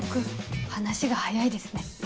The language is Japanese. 話が早いですね。